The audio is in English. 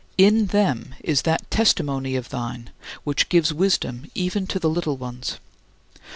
In them is that testimony of thine which gives wisdom even to the little ones.